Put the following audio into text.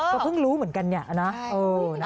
ก็เพิ่งรู้เหมือนกันเนี่ยนะ